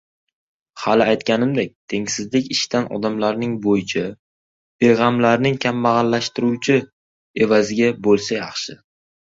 Hali aytganimdek tengsizlik ishchan odamlarning boyishi, beg‘amlarning kambag‘allashuvi evaziga bo‘lsa yaxshi.